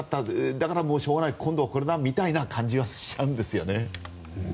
だからしょうがない今度はこれだ！っていう感じがしますよね。